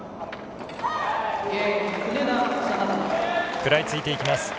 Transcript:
食らいついていきます。